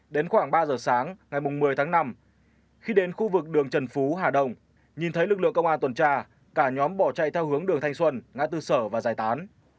đến khoảng ba giờ sáng ngày một mươi tháng năm khi đến khu vực đường trần phú hà đông nhìn thấy lực lượng công an tuần tra cả nhóm bỏ chạy theo hướng đường thanh xuân ngã tư sở và giải tán